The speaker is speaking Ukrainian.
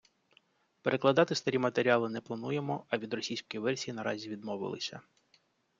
Перекладати старі матеріали не плануємо, а від російської версії наразі відмовилися.